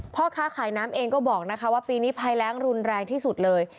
พ่อค้าขายน้ำเองก็บอกนะคะว่าปีนี้ภัยแรงรุนแรงที่สุดเลย